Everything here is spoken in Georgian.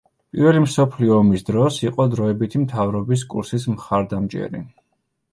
პირველი მსოფლიო ომის დროს იყო დროებითი მთავრობის კურსის მხარდამჭერი.